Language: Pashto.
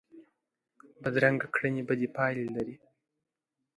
بدرنګه کړنې بدې پایلې لري